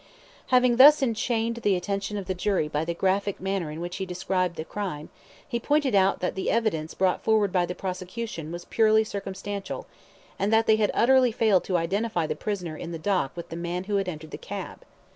Having thus enchained the attention of the jury by the graphic manner in which he described the crime, he pointed out that the evidence brought forward by the prosecution was purely circumstantial, and that they had utterly failed to identify the prisoner in the dock with the man who entered the cab.